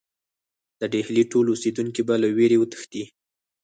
د ډهلي ټول اوسېدونکي به له وېرې وتښتي.